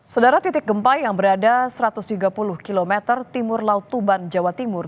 saudara titik gempa yang berada satu ratus tiga puluh km timur laut tuban jawa timur